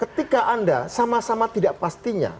ketika anda sama sama tidak pastinya